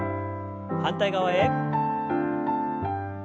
反対側へ。